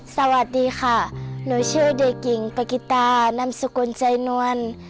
สวัสดีค่ะหนูชื่อเด็กหญิงปะกิตานำสกุลใจนวล